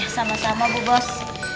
sama sama bu bos